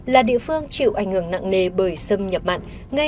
là địa phương chịu ảnh hưởng nặng nề bởi xâm nhập mặn